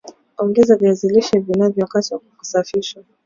Ongeza viazi lishe vilivyokatwa na kusafishwa